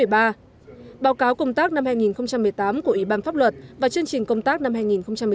báo cáo công tác năm hai nghìn một mươi tám của ủy ban pháp luật và chương trình công tác năm hai nghìn một mươi chín